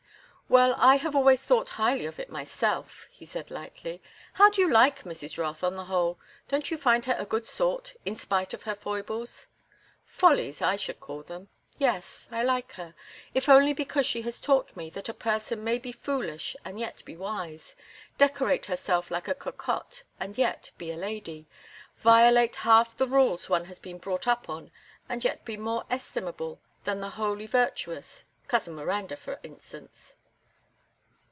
"Well, I have always thought highly of it myself," he said, lightly. "How do you like Mrs. Rothe, on the whole? Don't you find her a good sort, in spite of her foibles?" "Follies, I should call them. Yes, I like her, if only because she has taught me that a person may be foolish and yet be wise; decorate herself like a cocotte and yet be a lady; violate half the rules one has been brought up on and yet be more estimable than the wholly virtuous—Cousin Miranda, for instance."